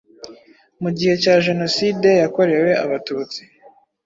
Mu gihe cya Jenoside yakorewe Abatutsi,